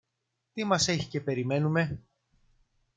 Τι μας έχει και περιμένομε;